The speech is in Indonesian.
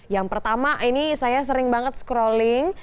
yang pertama ini saya sering banget scrolling